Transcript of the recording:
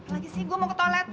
lagi sih gue mau ke toilet